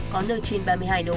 có nơi trên ba mươi hai độ